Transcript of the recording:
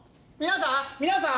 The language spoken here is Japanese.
⁉皆さん！